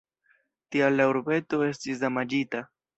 Tial la urbeto estis damaĝita.